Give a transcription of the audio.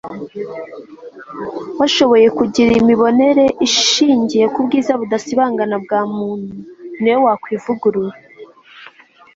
washoboye kugira imibonere ishingiye ku bwiza budasibangana bwa muntu, ni we wakwivugurura